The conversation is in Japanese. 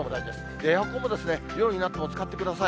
エアコンも、夜になっても使ってください。